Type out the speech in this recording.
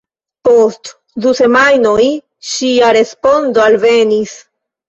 Post du semajnoj ŝia respondo alvenis.